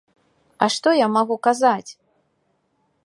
А што я магу казаць?